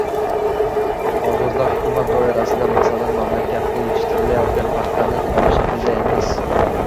Hozirda hukumat doirasida, masalan, mamlakatda yetishtirilayotgan paxtani tola shaklida emas